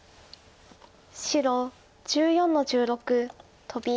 白１４の十六トビ。